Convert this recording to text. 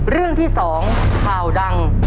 เรื่องที่๒ข่าวดัง